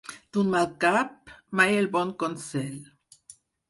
D'un mal cap, mai el bon consell.